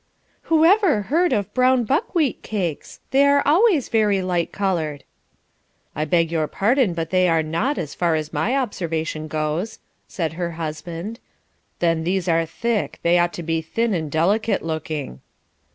"Whoever heard of brown buckwheat cakes; they are always very light coloured." "I beg your pardon, but they are not, as far as my observation goes," said her husband; "then these are thick, they ought to be thin and delicate looking."